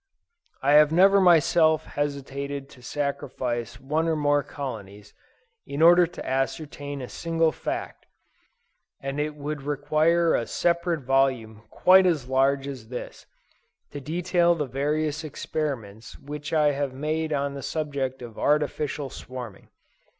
I have never myself hesitated to sacrifice one or more colonies, in order to ascertain a single fact, and it would require a separate volume quite as large as this, to detail the various experiments which I have made on the subject of Artificial Swarming.